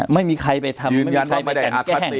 ไม่มีใครไปทำไม่มีใครไปกันแกล้ง